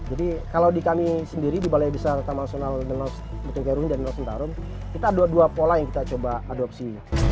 jadi kalau di kami sendiri di balai bisa rekaman nasional menang betulga ruhin dan menang sentarung kita ada dua pola yang kita coba adopsi